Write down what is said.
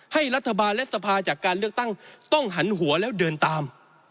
ให้รัฐบาลและสภาจากการเลือกตั้งต้องหันหัวแล้วเดินตาม